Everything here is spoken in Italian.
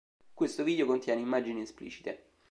Questo video contiene immagini esplicite.